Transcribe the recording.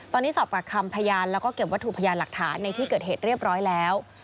ตอนนี้สอบปากคำพยานแล้วก็เก็บวัตถุพยานหลักฐานในที่เกิดเหตุเรียบร้อยแล้ว